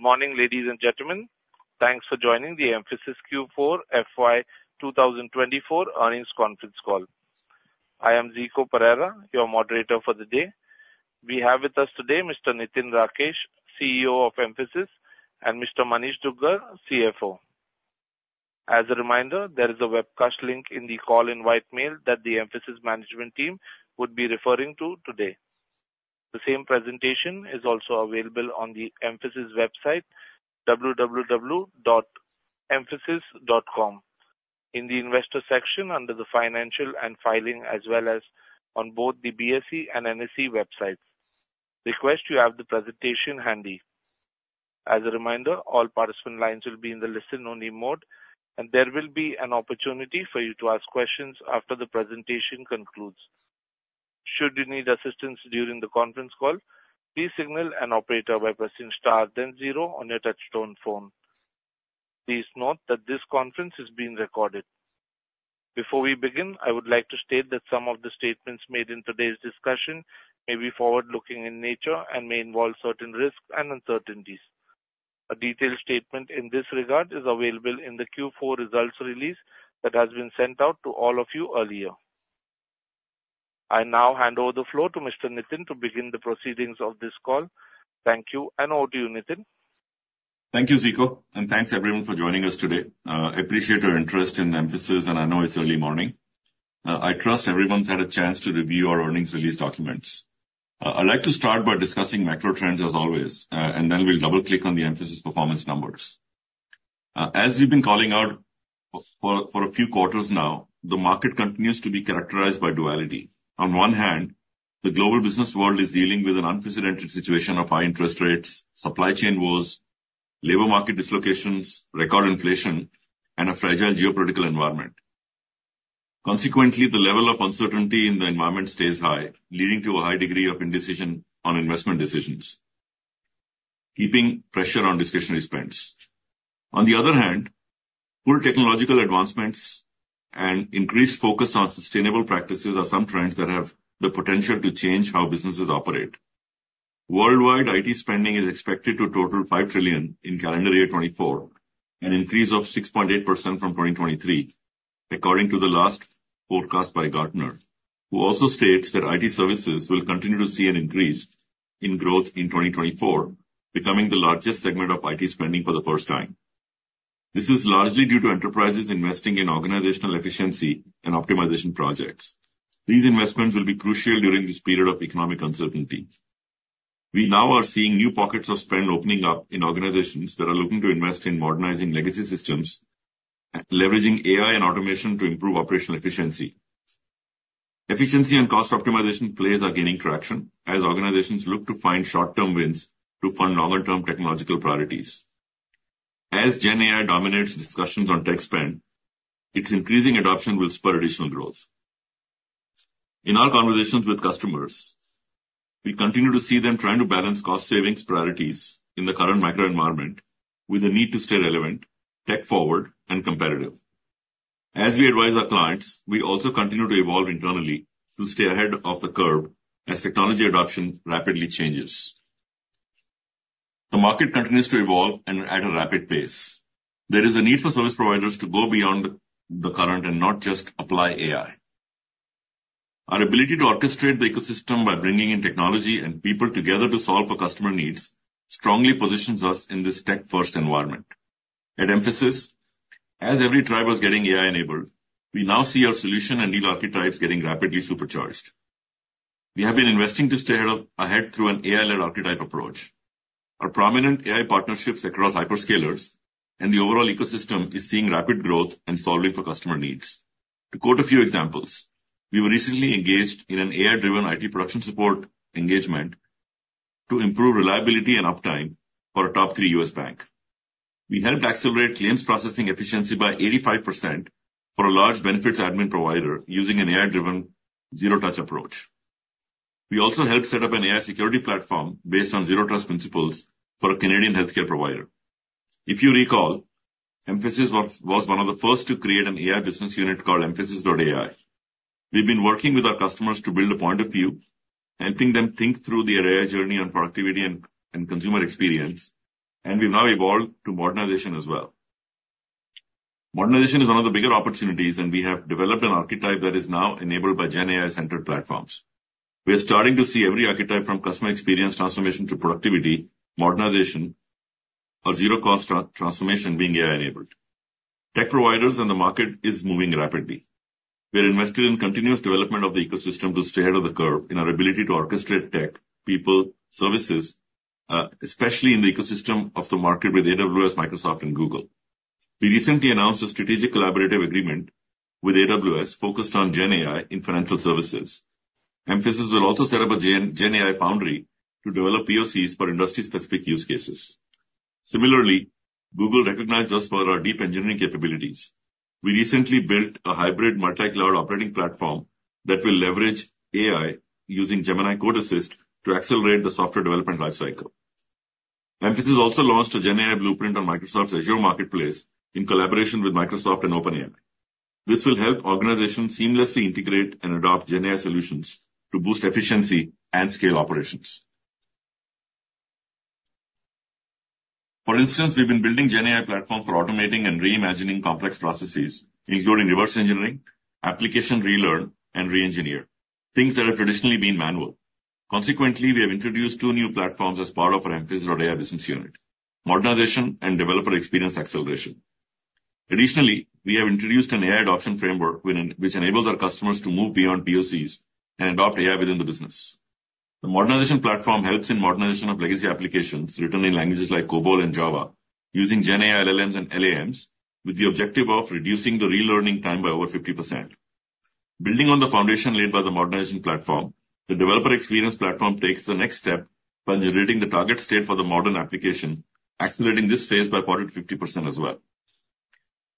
Good morning, ladies and gentlemen. Thanks for joining the Mphasis Q4 FY 2024 earnings conference call. I am Zico Pereira, your moderator for the day. We have with us today Mr. Nitin Rakesh, CEO of Mphasis, and Mr. Manish Dugar, CFO. As a reminder, there is a webcast link in the call-invite mail that the Mphasis management team would be referring to today. The same presentation is also available on the Mphasis website, www.mphasis.com, in the Investor section under the Financials and Filings as well as on both the BSE and NSE websites. Request you have the presentation handy. As a reminder, all participant lines will be in the listen-only mode, and there will be an opportunity for you to ask questions after the presentation concludes. Should you need assistance during the conference call, please signal an operator by pressing * then zero on your touch-tone phone. Please note that this conference is being recorded. Before we begin, I would like to state that some of the statements made in today's discussion may be forward-looking in nature and may involve certain risks and uncertainties. A detailed statement in this regard is available in the Q4 results release that has been sent out to all of you earlier. I now hand over the floor to Mr. Nitin to begin the proceedings of this call. Thank you, and over to you, Nitin. Thank you, Zico, and thanks everyone for joining us today. I appreciate your interest in Mphasis, and I know it's early morning. I trust everyone's had a chance to review our earnings release documents. I'd like to start by discussing macro trends as always, and then we'll double-click on the Mphasis performance numbers. As we've been calling out for a few quarters now, the market continues to be characterized by duality. On one hand, the global business world is dealing with an unprecedented situation of high interest rates, supply chain wars, labor market dislocations, record inflation, and a fragile geopolitical environment. Consequently, the level of uncertainty in the environment stays high, leading to a high degree of indecision on investment decisions, keeping pressure on discretionary spends. On the other hand, full technological advancements and increased focus on sustainable practices are some trends that have the potential to change how businesses operate. Worldwide, IT spending is expected to total $5 trillion in calendar year 2024, an increase of 6.8% from 2023, according to the last forecast by Gartner, who also states that IT services will continue to see an increase in growth in 2024, becoming the largest segment of IT spending for the first time. This is largely due to enterprises investing in organizational efficiency and optimization projects. These investments will be crucial during this period of economic uncertainty. We now are seeing new pockets of spend opening up in organizations that are looking to invest in modernizing legacy systems, leveraging AI and automation to improve operational efficiency. Efficiency and cost optimization plays are gaining traction as organizations look to find short-term wins to fund longer-term technological priorities. As GenAI dominates discussions on tech spend, its increasing adoption will spur additional growth. In our conversations with customers, we continue to see them trying to balance cost-savings priorities in the current microenvironment with a need to stay relevant, tech-forward, and competitive. As we advise our clients, we also continue to evolve internally to stay ahead of the curve as technology adoption rapidly changes. The market continues to evolve and at a rapid pace. There is a need for service providers to go beyond the current and not just apply AI. Our ability to orchestrate the ecosystem by bringing in technology and people together to solve for customer needs strongly positions us in this tech-first environment. At Mphasis, as every tribe was getting AI-enabled, we now see our solution and deal archetypes getting rapidly supercharged. We have been investing to stay ahead through an AI-led archetype approach. Our prominent AI partnerships across hyperscalers and the overall ecosystem are seeing rapid growth and solving for customer needs. To quote a few examples, we were recently engaged in an AI-driven IT production support engagement to improve reliability and uptime for a top-three U.S. bank. We helped accelerate claims processing efficiency by 85% for a large benefits admin provider using an AI-driven zero-touch approach. We also helped set up an AI security platform based on zero-trust principles for a Canadian healthcare provider. If you recall, Mphasis was one of the first to create an AI business unit called mphasis.ai. We've been working with our customers to build a point of view, helping them think through their AI journey on productivity and consumer experience, and we've now evolved to modernization as well. Modernization is one of the bigger opportunities, and we have developed an archetype that is now enabled by GenAI-centered platforms. We are starting to see every archetype from customer experience transformation to productivity, modernization, or zero-cost transformation being AI-enabled. Tech providers and the market are moving rapidly. We are invested in continuous development of the ecosystem to stay ahead of the curve in our ability to orchestrate tech, people, services, especially in the ecosystem of the market with AWS, Microsoft, and Google. We recently announced a strategic collaborative agreement with AWS focused on GenAI in financial services. Mphasis will also set up a GenAI foundry to develop POCs for industry-specific use cases. Similarly, Google recognized us for our deep engineering capabilities. We recently built a hybrid multi-cloud operating platform that will leverage AI using Gemini Code Assist to accelerate the software development lifecycle. Mphasis also launched a GenAI blueprint on Microsoft's Azure Marketplace in collaboration with Microsoft and OpenAI. This will help organizations seamlessly integrate and adopt GenAI solutions to boost efficiency and scale operations. For instance, we've been building a GenAI platform for automating and reimagining complex processes, including reverse engineering, application relearn, and reengineer things that have traditionally been manual. Consequently, we have introduced two new platforms as part of our mphasis.ai business unit: modernization and developer experience acceleration. Additionally, we have introduced an AI adoption framework which enables our customers to move beyond POCs and adopt AI within the business. The modernization platform helps in modernization of legacy applications written in languages like COBOL and Java using GenAI LLMs and LAMs with the objective of reducing the relearning time by over 50%. Building on the foundation laid by the modernization platform, the developer experience platform takes the next step by generating the target state for the modern application, accelerating this phase by about 50% as well.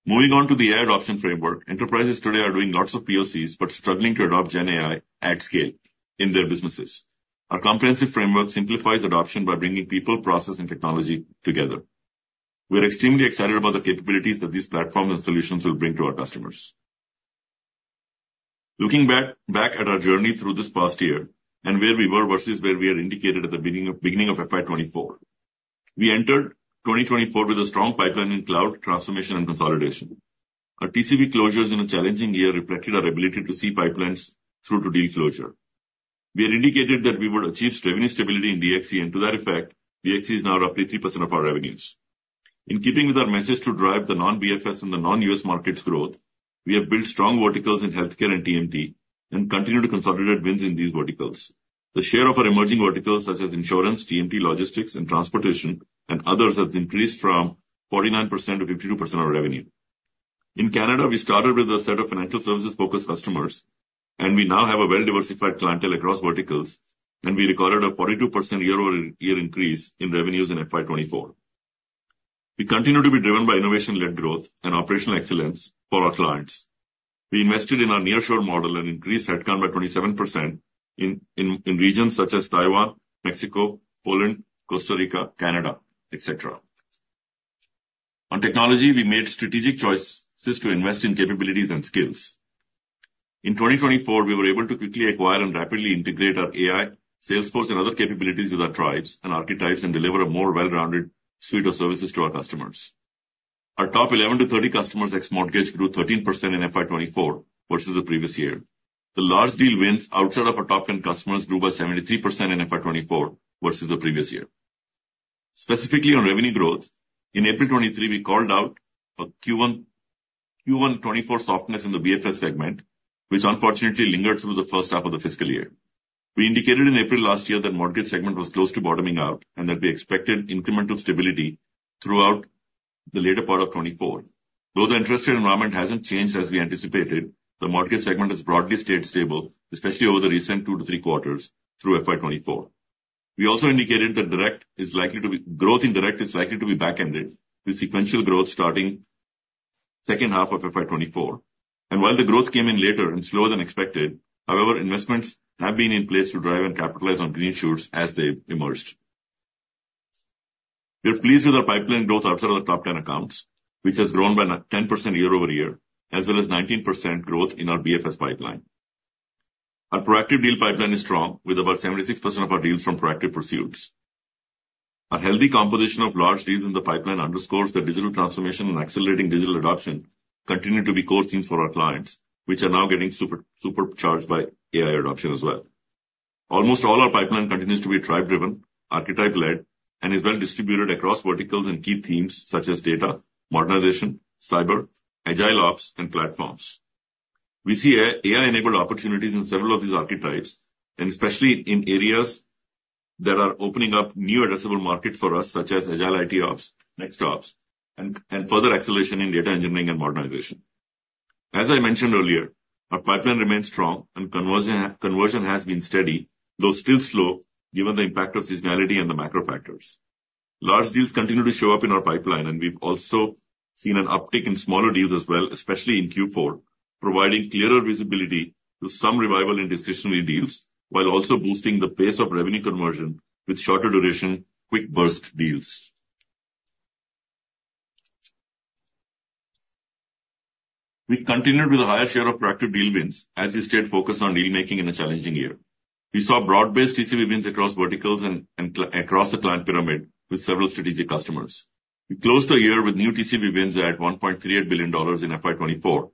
Moving on to the AI adoption framework, enterprises today are doing lots of POCs but struggling to adopt GenAI at scale in their businesses. Our comprehensive framework simplifies adoption by bringing people, process, and technology together. We are extremely excited about the capabilities that these platforms and solutions will bring to our customers. Looking back at our journey through this past year and where we were versus where we are, as indicated at the beginning of FY 2024, we entered 2024 with a strong pipeline in cloud transformation and consolidation. Our TCV closures in a challenging year reflected our ability to see pipelines through to deal closure. We indicated that we would achieve revenue stability in DXC, and to that effect, DXC is now roughly 3% of our revenues. In keeping with our message to drive the non-BFS and the non-U.S. markets growth, we have built strong verticals in healthcare and TMT and continue to consolidate wins in these verticals. The share of our emerging verticals, such as insurance, TMT logistics, and transportation, and others, has increased from 49%-52% of revenue. In Canada, we started with a set of financial services-focused customers, and we now have a well-diversified clientele across verticals, and we recorded a 42% year-over-year increase in revenues in FY 2024. We continue to be driven by innovation-led growth and operational excellence for our clients. We invested in our nearshore model and increased headcount by 27% in regions such as Taiwan, Mexico, Poland, Costa Rica, Canada, etc. On technology, we made strategic choices to invest in capabilities and skills. In 2024, we were able to quickly acquire and rapidly integrate our AI, Salesforce, and other capabilities with our tribes and archetypes and deliver a more well-rounded suite of services to our customers. Our top 11-30 customers ex-mortgage grew 13% in FY 2024 versus the previous year. The large deal wins outside of our top 10 customers grew by 73% in FY 2024 versus the previous year. Specifically on revenue growth, in April 2023, we called out a Q1 2024 softness in the BFS segment, which unfortunately lingered through the first half of the fiscal year. We indicated in April last year that the mortgage segment was close to bottoming out and that we expected incremental stability throughout the later part of 2024. Though the interest environment hasn't changed as we anticipated, the mortgage segment has broadly stayed stable, especially over the recent two to three quarters through FY 2024. We also indicated that direct is likely to be growth in direct is likely to be back-ended with sequential growth starting the second half of FY 2024. And while the growth came in later and slower than expected, however, investments have been in place to drive and capitalize on green shoots as they emerged. We are pleased with our pipeline growth outside of the top 10 accounts, which has grown by 10% year-over-year, as well as 19% growth in our BFS pipeline. Our proactive deal pipeline is strong with about 76% of our deals from proactive pursuits. Our healthy composition of large deals in the pipeline underscores that digital transformation and accelerating digital adoption continue to be core themes for our clients, which are now getting supercharged by AI adoption as well. Almost all our pipeline continues to be tribe-driven, archetype-led, and is well-distributed across verticals and key themes such as data, modernization, cyber, agile ops, and platforms. We see AI-enabled opportunities in several of these archetypes, and especially in areas that are opening up new addressable markets for us, such as agile IT ops, next ops, and further acceleration in data engineering and modernization. As I mentioned earlier, our pipeline remains strong and conversion has been steady, though still slow given the impact of seasonality and the macro factors. Large deals continue to show up in our pipeline, and we've also seen an uptick in smaller deals as well, especially in Q4, providing clearer visibility to some revival in discretionary deals while also boosting the pace of revenue conversion with shorter duration, quick burst deals. We continued with a higher share of proactive deal wins as we stayed focused on deal-making in a challenging year. We saw broad-based TCB wins across verticals and across the client pyramid with several strategic customers. We closed the year with new TCB wins at $1.38 billion in FY 2024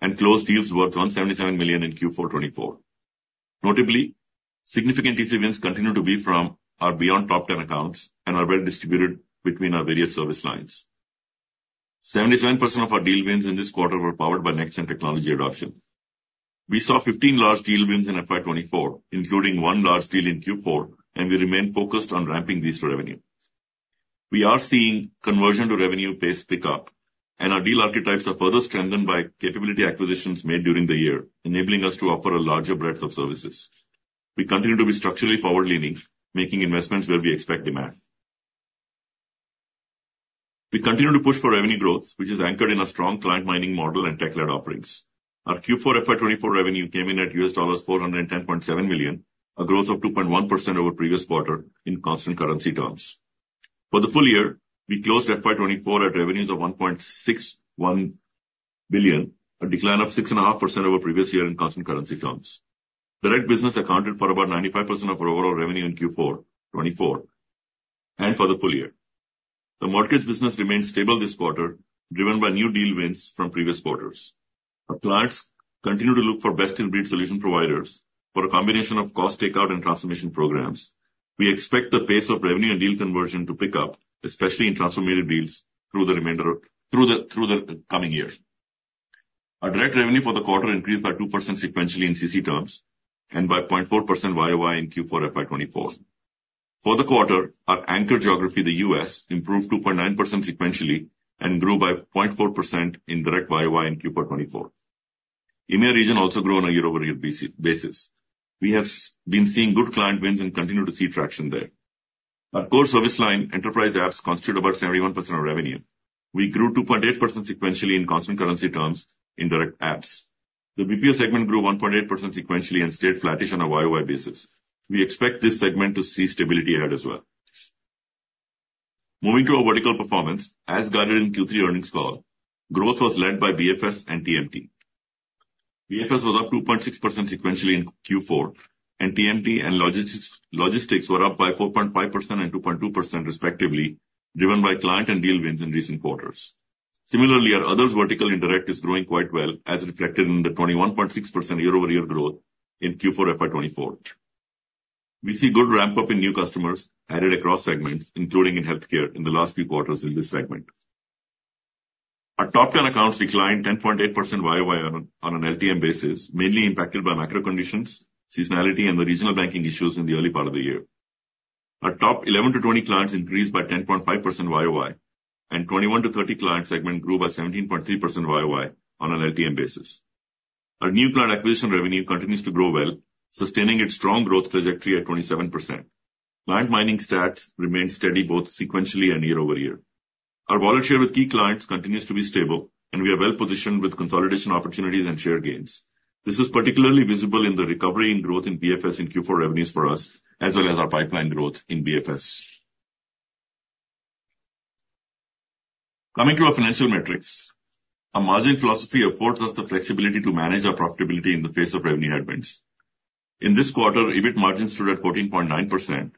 and closed deals worth $177 million in Q4 2024. Notably, significant TCB wins continue to be from our beyond-top-10 accounts and are well-distributed between our various service lines. 77% of our deal wins in this quarter were powered by next-gen technology adoption. We saw 15 large deal wins in FY 2024, including one large deal in Q4, and we remain focused on ramping these to revenue. We are seeing conversion to revenue pace pick up, and our deal archetypes are further strengthened by capability acquisitions made during the year, enabling us to offer a larger breadth of services. We continue to be structurally forward-leaning, making investments where we expect demand. We continue to push for revenue growth, which is anchored in a strong client mining model and tech-led offerings. Our Q4 FY 2024 revenue came in at $410.7 million, a growth of 2.1% over previous quarter in constant currency terms. For the full year, we closed FY 2024 at revenues of $1.61 billion, a decline of 6.5% over previous year in constant currency terms. Direct business accounted for about 95% of our overall revenue in Q4 2024 and for the full year. The mortgage business remained stable this quarter, driven by new deal wins from previous quarters. Our clients continue to look for best-in-breed solution providers for a combination of cost takeout and transformation programs. We expect the pace of revenue and deal conversion to pick up, especially in transformation deals through the remainder of the coming year. Our direct revenue for the quarter increased by 2% sequentially in CC terms and by 0.4% year-over-year in Q4 FY 2024. For the quarter, our anchor geography, the U.S., improved 2.9% sequentially and grew by 0.4% in direct year-over-year in Q4 2024. EMEA region also grew on a year-over-year basis. We have been seeing good client wins and continue to see traction there. Our core service line, enterprise apps, constituted about 71% of revenue. We grew 2.8% sequentially in constant currency terms in direct apps. The BPO segment grew 1.8% sequentially and stayed flattish on a YOY basis. We expect this segment to see stability ahead as well. Moving to our vertical performance, as guided in Q3 earnings call, growth was led by BFS and TMT. BFS was up 2.6% sequentially in Q4, and TMT and logistics were up by 4.5% and 2.2%, respectively, driven by client and deal wins in recent quarters. Similarly, our others vertical indirect is growing quite well, as reflected in the 21.6% year-over-year growth in Q4 FY 2024. We see good ramp-up in new customers added across segments, including in healthcare in the last few quarters in this segment. Our top 10 accounts declined 10.8% YOY on an LTM basis, mainly impacted by macro conditions, seasonality, and the regional banking issues in the early part of the year. Our top 11 to 20 clients increased by 10.5% YOY, and 21 to 30 client segment grew by 17.3% YOY on an LTM basis. Our new client acquisition revenue continues to grow well, sustaining its strong growth trajectory at 27%. Client-minded stats remain steady both sequentially and year-over-year. Our wallet share with key clients continues to be stable, and we are well-positioned with consolidation opportunities and share gains. This is particularly visible in the recovery in growth in BFS in Q4 revenues for us, as well as our pipeline growth in BFS. Coming to our financial metrics, our margin philosophy affords us the flexibility to manage our profitability in the face of revenue headwinds. In this quarter, EBIT margins stood at 14.9%,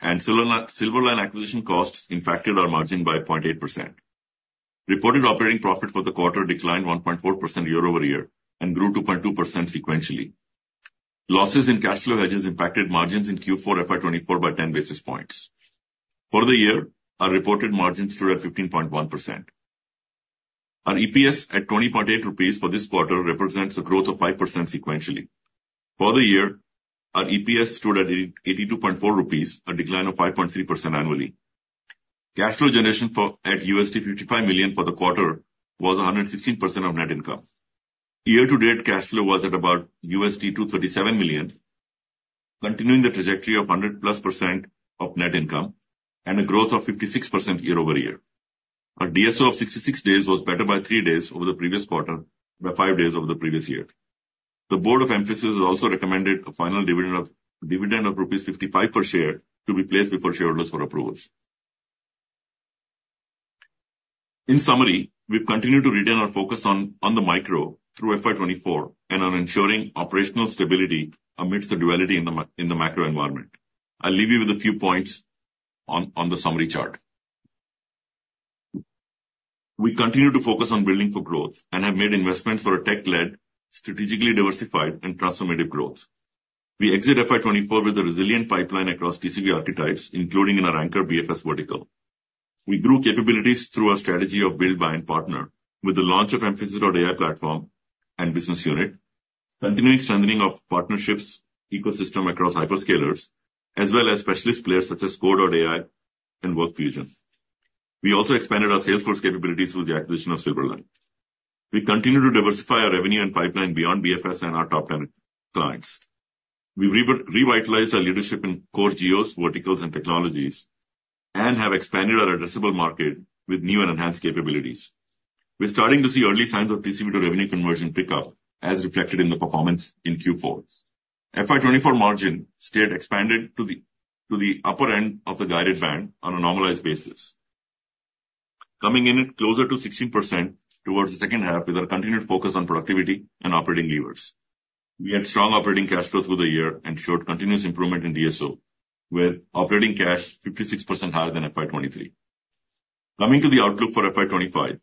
and Silverline acquisition costs impacted our margin by 0.8%. Reported operating profit for the quarter declined 1.4% year-over-year and grew 2.2% sequentially. Losses in cash flow hedges impacted margins in Q4 FY 2024 by 10 basis points. For the year, our reported margins stood at 15.1%. Our EPS at $20.8 for this quarter represents a growth of 5% sequentially. For the year, our EPS stood at $82.4, a decline of 5.3% annually. Cash flow generation at $55 million for the quarter was 116% of net income. Year-to-date, cash flow was at about $237 million, continuing the trajectory of 100%+ of net income and a growth of 56% year-over-year. Our DSO of 66 days was better by three days over the previous quarter by five days over the previous year. The Board of Mphasis has also recommended a final dividend of rupees 55 per share to be placed before shareholders for approvals. In summary, we've continued to retain our focus on the micro through FY 2024 and on ensuring operational stability amidst the duality in the macro environment. I'll leave you with a few points on the summary chart. We continue to focus on building for growth and have made investments for a tech-led, strategically diversified, and transformative growth. We exit FY 2024 with a resilient pipeline across TCB archetypes, including in our anchor BFS vertical. We grew capabilities through our strategy of build-by-partner with the launch of Mphasis.ai platform and business unit, continuing strengthening of partnerships ecosystem across hyperscalers, as well as specialist players such as Kore.ai and WorkFusion. We also expanded our Salesforce capabilities through the acquisition of Silverline. We continue to diversify our revenue and pipeline beyond BFS and our top 10 clients. We revitalized our leadership in core geos, verticals, and technologies, and have expanded our addressable market with new and enhanced capabilities. We're starting to see early signs of TCB to revenue conversion pick up, as reflected in the performance in Q4. FY 2024 margin stayed expanded to the upper end of the guided band on a normalized basis, coming in at closer to 16% towards the second half with our continued focus on productivity and operating levers. We had strong operating cash flow through the year and showed continuous improvement in DSO, with operating cash 56% higher than FY 2023. Coming to the outlook for FY 2025,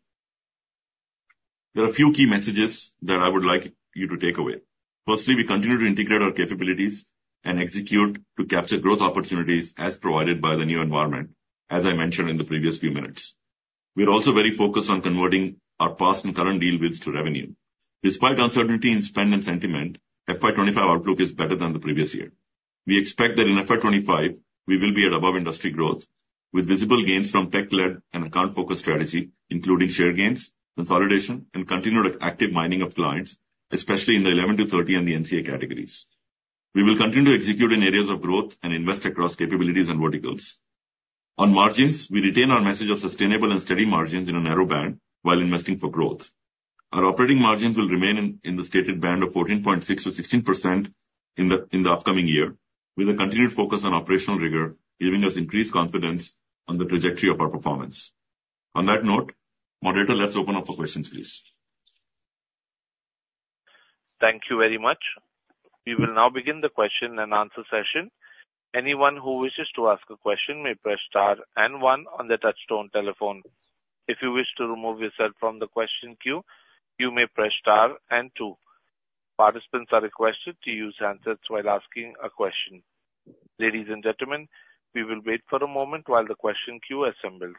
there are a few key messages that I would like you to take away. Firstly, we continue to integrate our capabilities and execute to capture growth opportunities as provided by the new environment, as I mentioned in the previous few minutes. We're also very focused on converting our past and current deal wins to revenue. Despite uncertainty in spend and sentiment, FY 2025 outlook is better than the previous year. We expect that in FY 2025, we will be at above industry growth with visible gains from tech-led and account-focused strategy, including share gains, consolidation, and continued active mining of clients, especially in the 11 to 30 and the NCA categories. We will continue to execute in areas of growth and invest across capabilities and verticals. On margins, we retain our message of sustainable and steady margins in a narrow band while investing for growth. Our operating margins will remain in the stated band of 14.6%-16% in the upcoming year, with a continued focus on operational rigor, giving us increased confidence on the trajectory of our performance. On that note, Moderator, let's open up for questions, please. Thank you very much. We will now begin the question and answer session. Anyone who wishes to ask a question may press star and one on the touch-tone telephone. If you wish to remove yourself from the question queue, you may press star and two. Participants are requested to use handsets while asking a question. Ladies and gentlemen, we will wait for a moment while the question queue assembles.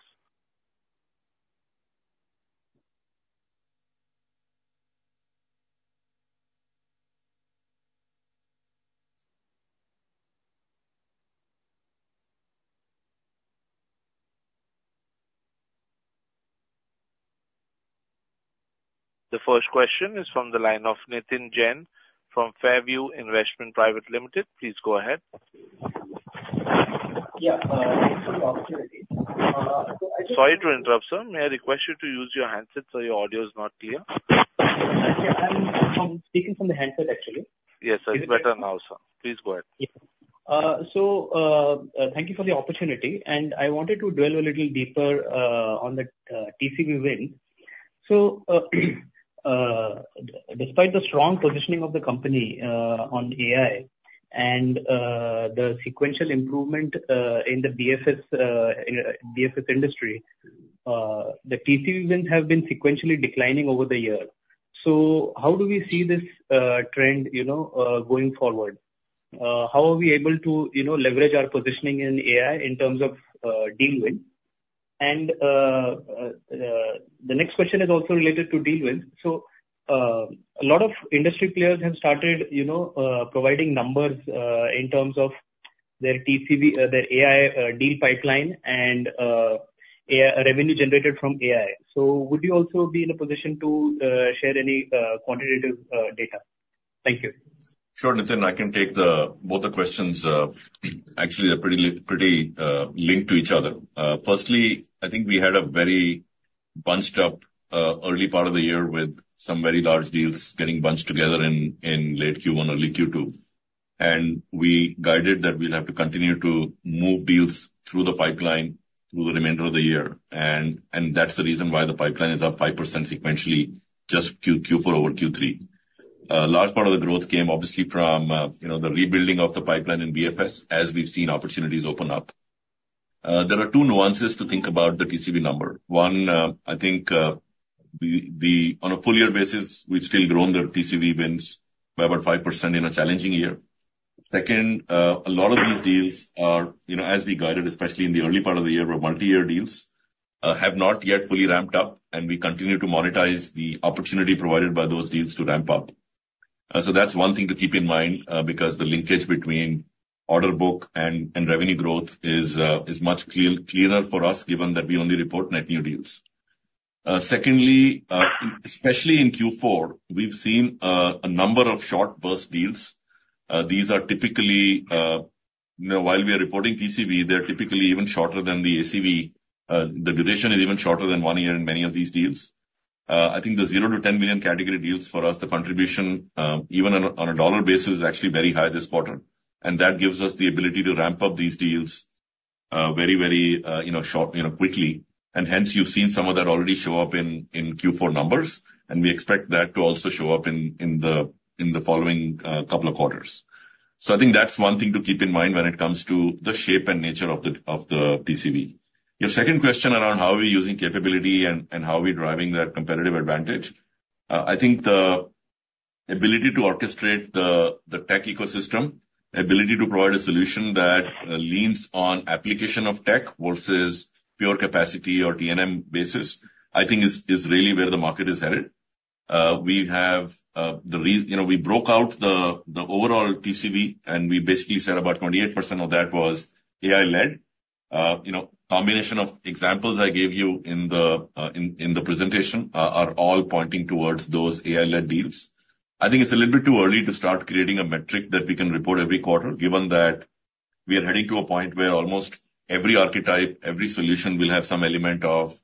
The first question is from the line of Nitin Jain from Fairview Investment Private Limited. Please go ahead. Yeah. Thank you for the opportunity. Sorry to interrupt, sir. May I request you to use your handsets so your audio is not clear? Yeah. I'm speaking from the handset, actually. Yes, it's better now, sir. Please go ahead. Thank you for the opportunity, and I wanted to dwell a little deeper on the TCB win. Despite the strong positioning of the company on AI and the sequential improvement in the BFS industry, the TCB wins have been sequentially declining over the year. How do we see this trend going forward? How are we able to leverage our positioning in AI in terms of deal win? And the next question is also related to deal win. A lot of industry players have started providing numbers in terms of their AI deal pipeline and revenue generated from AI. Would you also be in a position to share any quantitative data? Thank you. Sure, Nitin. I can take both the questions. Actually, they're pretty linked to each other. Firstly, I think we had a very bunched-up early part of the year with some very large deals getting bunched together in late Q1, early Q2. We guided that we'll have to continue to move deals through the pipeline through the remainder of the year. That's the reason why the pipeline is up 5% sequentially just Q4 over Q3. A large part of the growth came, obviously, from the rebuilding of the pipeline in BFS as we've seen opportunities open up. There are two nuances to think about the TCB number. One, I think on a full-year basis, we've still grown the TCB wins by about 5% in a challenging year. Second, a lot of these deals are, as we guided, especially in the early part of the year, were multi-year deals, have not yet fully ramped up, and we continue to monetize the opportunity provided by those deals to ramp up. So, that's one thing to keep in mind because the linkage between order book and revenue growth is much clearer for us given that we only report net new deals. Secondly, especially in Q4, we've seen a number of short burst deals. These are typically, while we are reporting TCB, they're typically even shorter than the ACV. The duration is even shorter than one year in many of these deals. I think the $0-$10 million category deals for us, the contribution, even on a dollar basis, is actually very high this quarter. And that gives us the ability to ramp up these deals very, very quickly. Hence, you've seen some of that already show up in Q4 numbers, and we expect that to also show up in the following couple of quarters. I think that's one thing to keep in mind when it comes to the shape and nature of the TCB. Your second question around how are we using capability and how are we driving that competitive advantage? I think the ability to orchestrate the tech ecosystem, the ability to provide a solution that leans on application of tech versus pure capacity or T&M basis, I think is really where the market is headed. We have the reason we broke out the overall TCB, and we basically said about 28% of that was AI-led. A combination of examples I gave you in the presentation are all pointing towards those AI-led deals. I think it's a little bit too early to start creating a metric that we can report every quarter given that we are heading to a point where almost every archetype, every solution will have some element of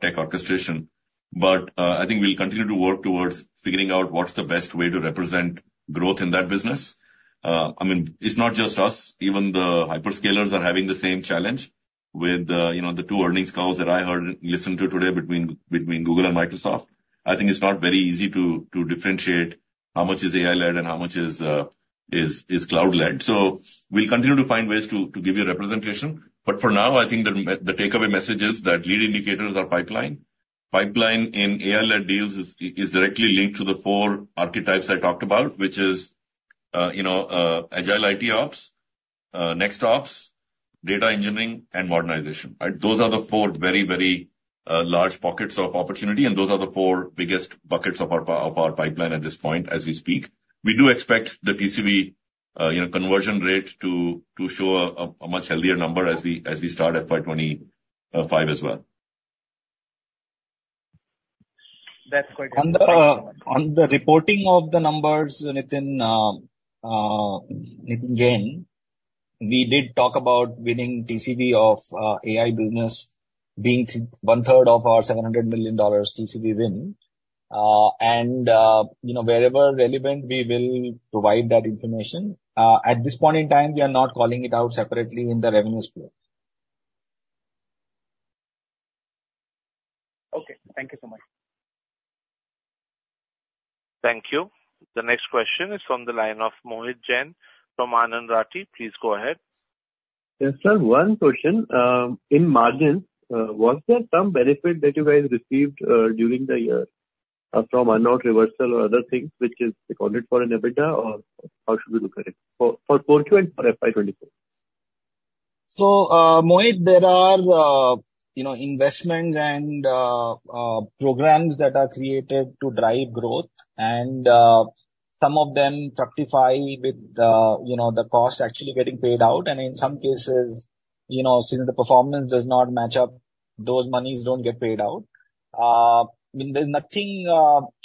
tech orchestration. But I think we'll continue to work towards figuring out what's the best way to represent growth in that business. I mean, it's not just us. Even the hyperscalers are having the same challenge with the two earnings calls that I heard and listened to today between Google and Microsoft. I think it's not very easy to differentiate how much is AI-led and how much is cloud-led. So, we'll continue to find ways to give you a representation. But for now, I think the takeaway message is that lead indicators are pipeline. Pipeline in AI-led deals is directly linked to the four archetypes I talked about, which are Agile ITOps, NextOps, data engineering, and modernization. Those are the four very, very large pockets of opportunity, and those are the four biggest buckets of our pipeline at this point as we speak. We do expect the TCB conversion rate to show a much healthier number as we start FY 2025 as well. On the reporting of the numbers, Nitin Rakesh, we did talk about winning TCB of AI business being one-third of our $700 million TCB win. Wherever relevant, we will provide that information. At this point in time, we are not calling it out separately in the revenue sphere. Okay. Thank you so much. Thank you. The next question is from the line of Mohit Jain from Anand Rathi. Please go ahead. Yes, sir. One question. In margins, was there some benefit that you guys received during the year from a note reversal or other things, which is accounted for in EBITDA, or how should we look at it for 4Q and for FY 2024? So, Mohit, there are investments and programs that are created to drive growth, and some of them fructify with the cost actually getting paid out. In some cases, since the performance does not match up, those monies don't get paid out. I mean, there's nothing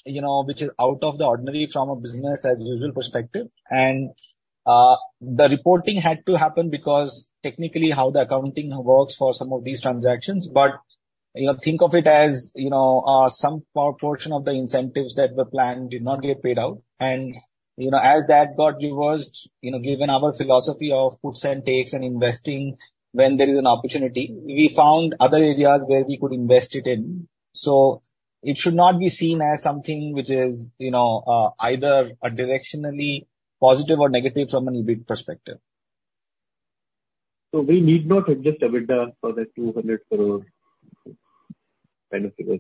which is out of the ordinary from a business-as-usual perspective. The reporting had to happen because, technically, how the accounting works for some of these transactions. But think of it as some portion of the incentives that were planned did not get paid out. As that got reversed, given our philosophy of puts and takes and investing when there is an opportunity, we found other areas where we could invest it in. So, it should not be seen as something which is either directionally positive or negative from an EBIT perspective. We need not adjust EBITDA for the 200 crore kind of figures?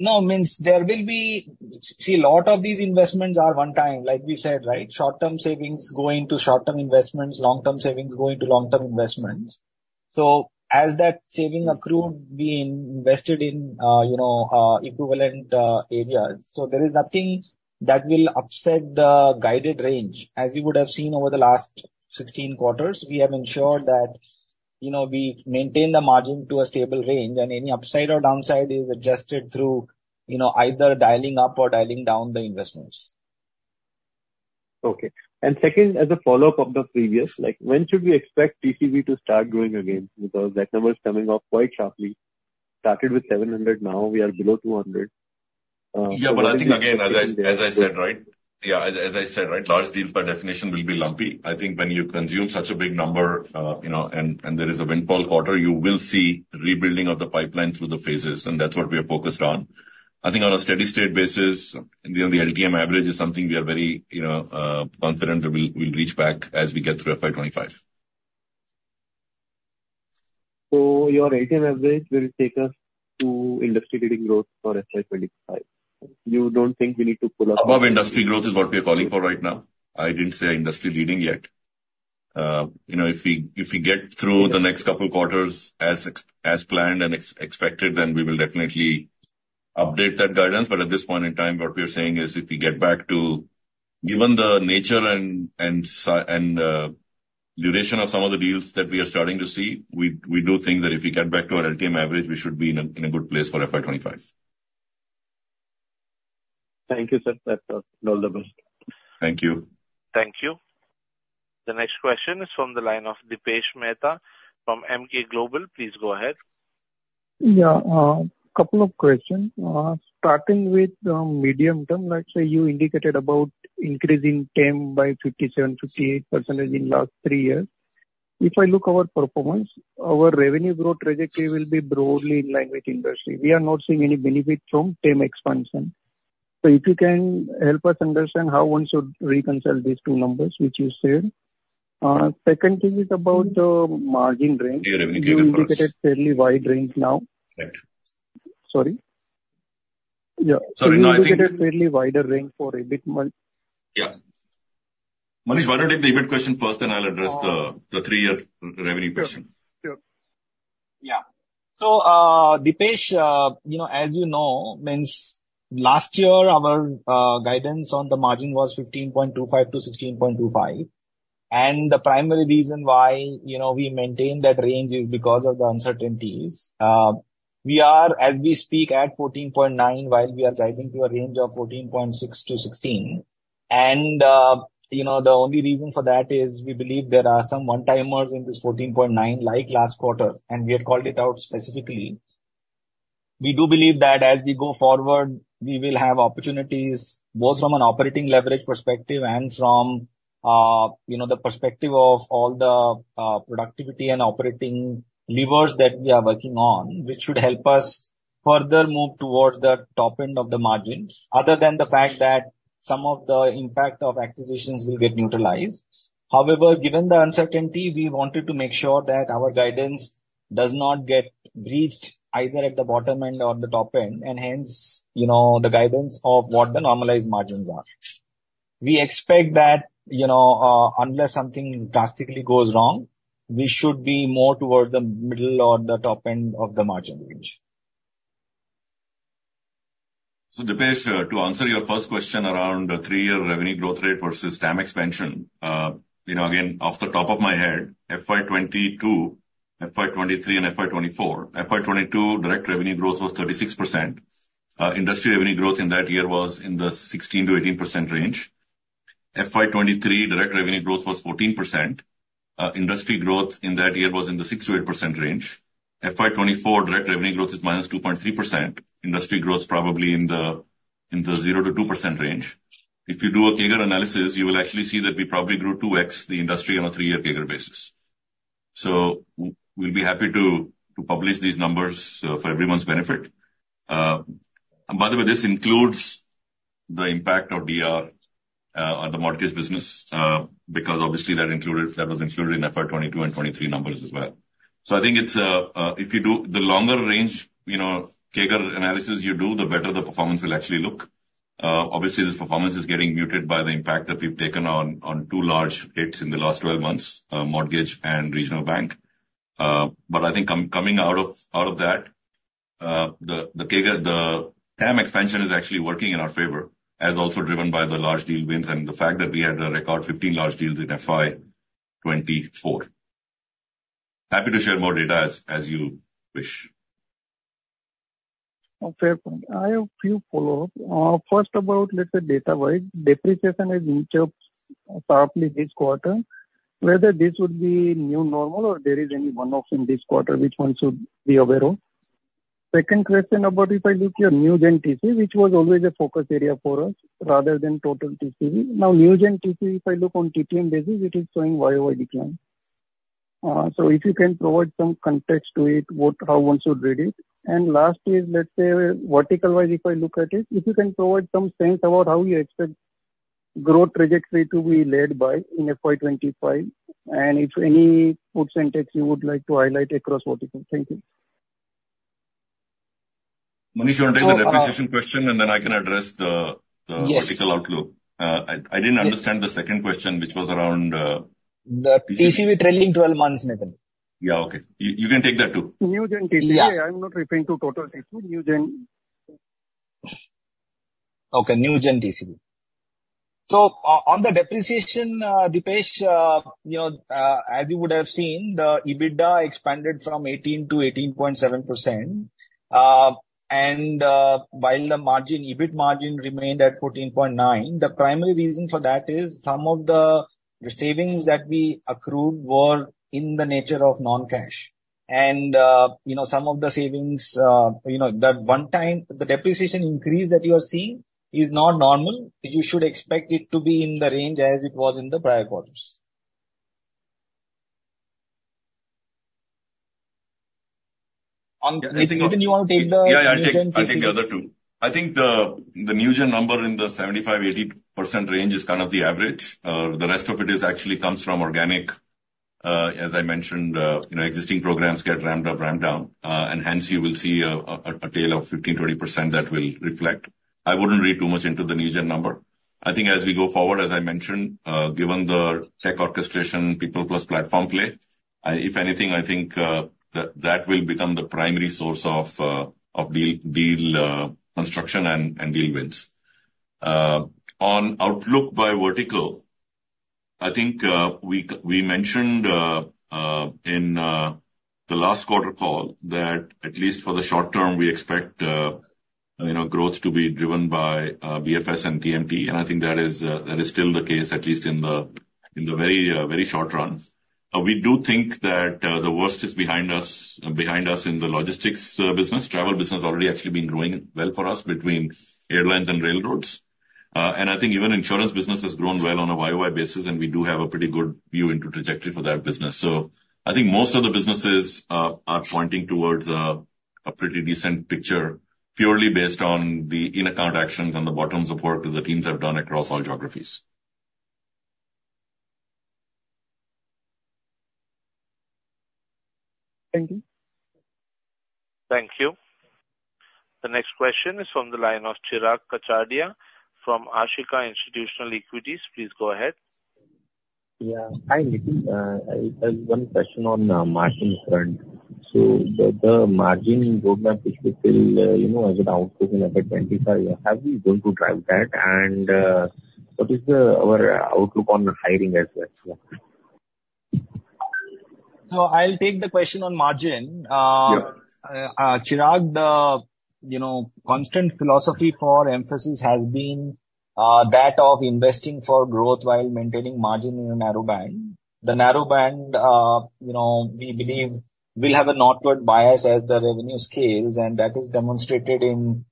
No, it means there will be, see, a lot of these investments are one-time, like we said, right? Short-term savings go into short-term investments, long-term savings go into long-term investments. So, as that savings accrued, we invested in equivalent areas. So, there is nothing that will upset the guided range. As you would have seen over the last 16 quarters, we have ensured that we maintain the margin to a stable range, and any upside or downside is adjusted through either dialing up or dialing down the investments. Okay. And second, as a follow-up of the previous, when should we expect TCB to start growing again? Because that number is coming off quite sharply. It started with 700. Now, we are below 200. Yeah, but I think, again, as I said, right? Yeah, as I said, right? Large deals, by definition, will be lumpy. I think when you consume such a big number and there is a windfall quarter, you will see rebuilding of the pipeline through the phases, and that's what we are focused on. I think on a steady-state basis, the LTM average is something we are very confident that we'll reach back as we get through FY 2025. So, your LTM average will take us to industry-leading growth for FY 2025. You don't think we need to pull off? Above industry growth is what we are calling for right now. I didn't say industry-leading yet. If we get through the next couple of quarters as planned and expected, then we will definitely update that guidance. But at this point in time, what we are saying is if we get back to given the nature and duration of some of the deals that we are starting to see, we do think that if we get back to our LTM average, we should be in a good place for FY 2025. Thank you, sir. That's all the best. Thank you. Thank you. The next question is from the line of Dipesh Mehta from MK Global. Please go ahead. Yeah. A couple of questions. Starting with the medium term, let's say you indicated about increase in TAM by 57%-58% in the last three years. If I look at our performance, our revenue growth trajectory will be broadly in line with industry. We are not seeing any benefit from TAM expansion. So, if you can help us understand how one should reconsider these two numbers, which you said. Second thing is about the margin range. New revenue given for. We indicated fairly wide range now. Right. Sorry? Yeah. We indicated fairly wider range for EBIT, but. Yeah. Manish, why don't you take the EBIT question first, and I'll address the three-year revenue question? Sure. Sure. Yeah. So, Dipesh, as you know, in last year, our guidance on the margin was 15.25%-16.25%. The primary reason why we maintain that range is because of the uncertainties. We are, as we speak, at 14.9% while we are driving to a range of 14.6%-16%. The only reason for that is we believe there are some one-timers in this 14.9% like last quarter, and we had called it out specifically. We do believe that as we go forward, we will have opportunities both from an operating leverage perspective and from the perspective of all the productivity and operating levers that we are working on, which should help us further move towards the top end of the margin other than the fact that some of the impact of acquisitions will get neutralized. However, given the uncertainty, we wanted to make sure that our guidance does not get breached either at the bottom end or the top end, and hence, the guidance of what the normalized margins are. We expect that unless something drastically goes wrong, we should be more towards the middle or the top end of the margin range. So, Dipesh, to answer your first question around the three-year revenue growth rate versus TAME expansion, again, off the top of my head, FY 2022, FY 2023, and FY 2024, FY 2022, direct revenue growth was 36%. Industry revenue growth in that year was in the 16%-18% range. FY 2023, direct revenue growth was 14%. Industry growth in that year was in the 6%-8% range. FY 2024, direct revenue growth is minus 2.3%. Industry growth's probably in the 0%-2% range. If you do a CAGR analysis, you will actually see that we probably grew 2x the industry on a three-year CAGR basis. So, we'll be happy to publish these numbers for everyone's benefit. And by the way, this includes the impact of DR on the mortgage business because, obviously, that was included in FY 2022 and 2023 numbers as well. I think if you do the longer range CAGR analysis you do, the better the performance will actually look. Obviously, this performance is getting muted by the impact that we've taken on two large hits in the last 12 months, mortgage and regional bank. I think coming out of that, the TAME expansion is actually working in our favor, as also driven by the large deal wins and the fact that we had a record 15 large deals in FY 2024. Happy to share more data as you wish. Okay. I have a few follow-ups. First about, let's say, data-wise, depreciation has inched up sharply this quarter. Whether this would be new normal or there is any one-off in this quarter, which one should we be aware of? Second question about if I look at new-gen TCB, which was always a focus area for us rather than total TCB. Now, new-gen TCB, if I look on TTM basis, it is showing YOY decline. So, if you can provide some context to it, how one should read it. And last is, let's say, vertical-wise, if I look at it, if you can provide some sense about how you expect growth trajectory to be led by in FY 2025 and if any puts and takes you would like to highlight across vertical. Thank you. Manish, you want to take the depreciation question, and then I can address the vertical outlook. I didn't understand the second question, which was around TCB. The TCB trailing 12 months, Nitin Rakesh. Yeah. Okay. You can take that too. New-gen TCB. Yeah, I'm not referring to total TCB. New-gen. Okay. New-gen TCB. So, on the depreciation, Dipesh, as you would have seen, the EBITDA expanded from 18%-18.7%. And while the EBIT margin remained at 14.9%, the primary reason for that is some of the savings that we accrued were in the nature of non-cash. And some of the savings that one-time the depreciation increase that you are seeing is not normal. You should expect it to be in the range as it was in the prior quarters. Nitin, you want to take the new-gen TCB? Yeah, I'll take the other two. I think the new-gen number in the 75%-80% range is kind of the average. The rest of it actually comes from organic. As I mentioned, existing programs get ramped up, ramped down, and hence, you will see a tail of 15%-20% that will reflect. I wouldn't read too much into the new-gen number. I think as we go forward, as I mentioned, given the tech orchestration, people plus platform play, if anything, I think that will become the primary source of deal construction and deal wins. On outlook by vertical, I think we mentioned in the last quarter call that at least for the short term, we expect growth to be driven by BFS and TMT. And I think that is still the case, at least in the very short run. We do think that the worst is behind us in the logistics business. Travel business has already actually been growing well for us between airlines and railroads. I think even insurance business has grown well on a year-over-year basis, and we do have a pretty good view into trajectory for that business. I think most of the businesses are pointing towards a pretty decent picture purely based on the in-account actions and the bottoms-up work that the teams have done across all geographies. Thank you. Thank you. The next question is from the line of Chirag Kachhadiya from Ashika Institutional Equities. Please go ahead. Yeah. Hi, Nitin. I have one question on margin front. So, the margin roadmap, which we fill as an outlook in FY 2025, have we gone to drive that? And what is our outlook on hiring as well? So, I'll take the question on margin. Chirag, the constant philosophy for Mphasis has been that of investing for growth while maintaining margin in a narrow band. The narrow band, we believe, will have a northward bias as the revenue scales, and that is demonstrated in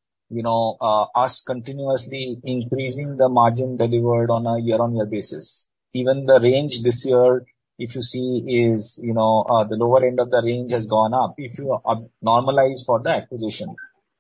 us continuously increasing the margin delivered on a year-on-year basis. Even the range this year, if you see, is the lower end of the range has gone up. If you normalize for that position,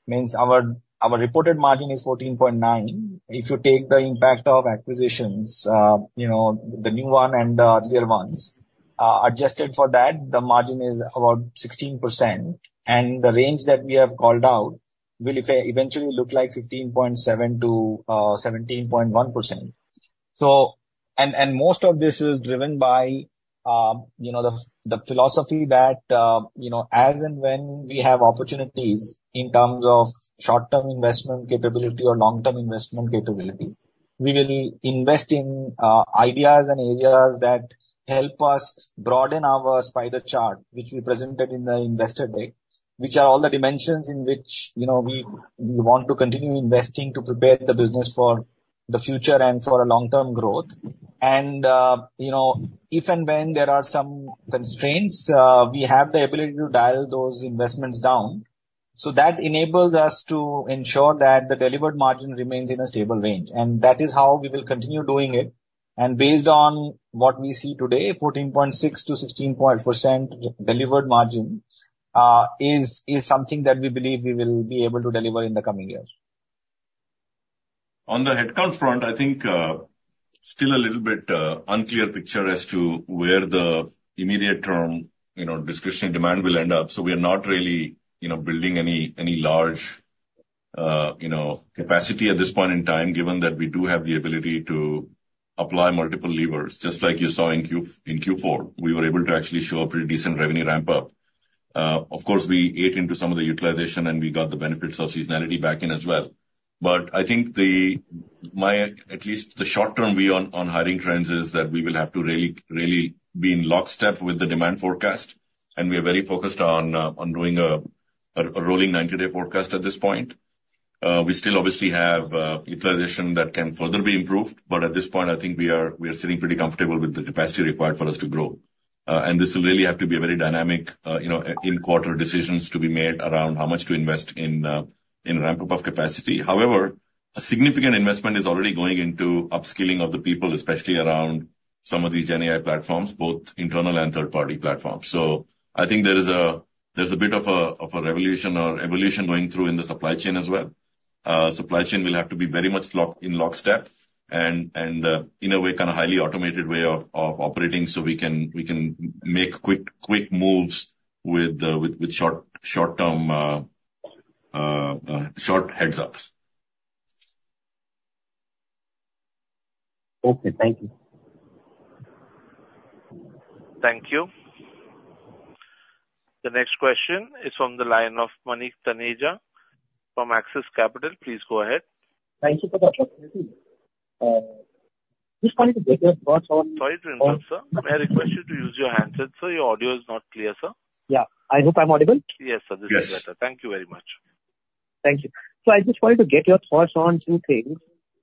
means our reported margin is 14.9. If you take the impact of acquisitions, the new one and the earlier ones, adjusted for that, the margin is about 16%. And the range that we have called out will eventually look like 15.7%-17.1%. Most of this is driven by the philosophy that as and when we have opportunities in terms of short-term investment capability or long-term investment capability, we will invest in ideas and areas that help us broaden our spider chart, which we presented in the investor deck, which are all the dimensions in which we want to continue investing to prepare the business for the future and for long-term growth. If and when there are some constraints, we have the ability to dial those investments down. So that enables us to ensure that the delivered margin remains in a stable range. That is how we will continue doing it. Based on what we see today, 14.6%-16.5% delivered margin is something that we believe we will be able to deliver in the coming years. On the headcount front, I think still a little bit unclear picture as to where the immediate-term discretionary demand will end up. So we are not really building any large capacity at this point in time, given that we do have the ability to apply multiple levers. Just like you saw in Q4, we were able to actually show a pretty decent revenue ramp-up. Of course, we ate into some of the utilization, and we got the benefits of seasonality back in as well. But I think, at least the short-term view on hiring trends is that we will have to really be in lockstep with the demand forecast. And we are very focused on doing a rolling 90-day forecast at this point. We still, obviously, have utilization that can further be improved. But at this point, I think we are sitting pretty comfortable with the capacity required for us to grow. And this will really have to be a very dynamic in-quarter decisions to be made around how much to invest in ramp-up of capacity. However, a significant investment is already going into upskilling of the people, especially around some of these GenAI platforms, both internal and third-party platforms. So I think there's a bit of a revolution or evolution going through in the supply chain as well. Supply chain will have to be very much in lockstep and, in a way, kind of highly automated way of operating so we can make quick moves with short-term heads-ups. Okay. Thank you. Thank you. The next question is from the line of Manish Taneja from Axis Capital. Please go ahead. Thank you for the opportunity. I just wanted to get your thoughts on. Sorry to interrupt, sir. May I request you to use your handset, sir? Your audio is not clear, sir. Yeah. I hope I'm audible. Yes, sir. This is better. Thank you very much. Thank you. So I just wanted to get your thoughts on two things.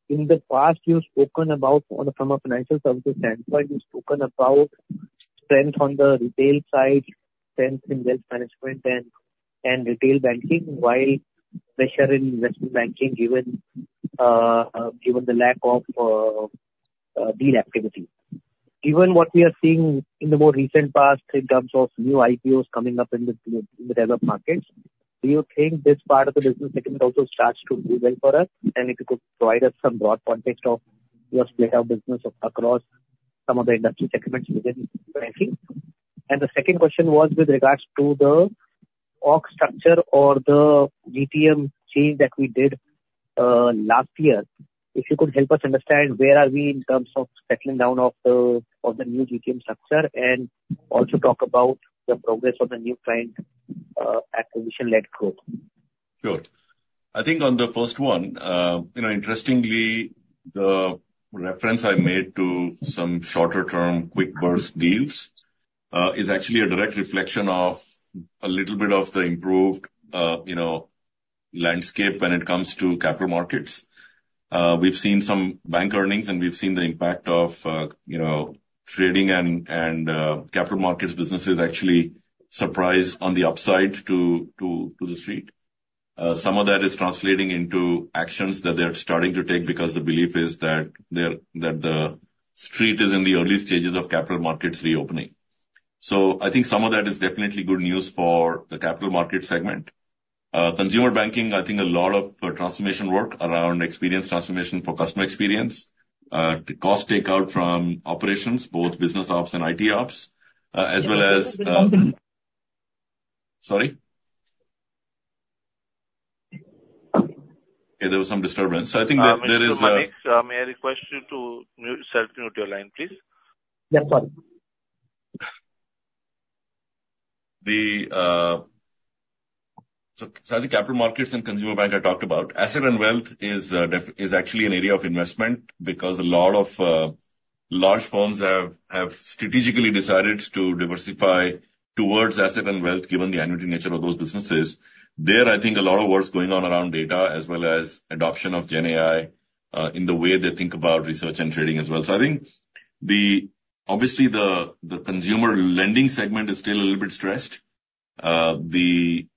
In the past, you've spoken about, from a financial services standpoint, you've spoken about strength on the retail side, strength in wealth management and retail banking while pressure in investment banking given the lack of deal activity. Given what we are seeing in the more recent past in terms of new IPOs coming up in the developed markets, do you think this part of the business segment also starts to do well for us? And if you could provide us some broad context of your split-up business across some of the industry segments within banking. And the second question was with regards to the org structure or the GTM change that we did last year. If you could help us understand where are we in terms of settling down of the new GTM structure and also talk about the progress of the new client acquisition-led growth? Sure. I think on the first one, interestingly, the reference I made to some shorter-term quick-burst deals is actually a direct reflection of a little bit of the improved landscape when it comes to capital markets. We've seen some bank earnings, and we've seen the impact of trading and capital markets businesses actually surprise on the upside to the street. Some of that is translating into actions that they're starting to take because the belief is that the street is in the early stages of capital markets reopening. So I think some of that is definitely good news for the capital market segment. Consumer banking, I think a lot of transformation work around experience transformation for customer experience, cost takeout from operations, both business ops and IT ops, as well as. Is there some disturbance? Sorry. There was some disturbance. I think there is. Manish, may I request you to self-mute your line, please? Yes. Sorry. So I think capital markets and consumer bank I talked about. Asset and wealth is actually an area of investment because a lot of large firms have strategically decided to diversify towards asset and wealth given the annuity nature of those businesses. There, I think a lot of work's going on around data as well as adoption of GenAI in the way they think about research and trading as well. So I think, obviously, the consumer lending segment is still a little bit stressed, the